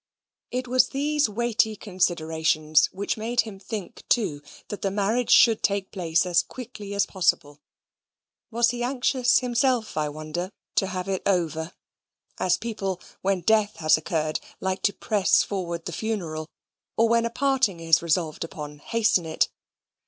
It was these weighty considerations which made him think too that the marriage should take place as quickly as possible. Was he anxious himself, I wonder, to have it over? as people, when death has occurred, like to press forward the funeral, or when a parting is resolved upon, hasten it.